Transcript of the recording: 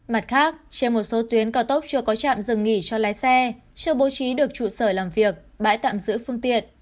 mặt khác trên một số tuyến cao tốc chưa có trạm dừng nghỉ cho lái xe chưa bố trí được trụ sở làm việc bãi tạm giữ phương tiện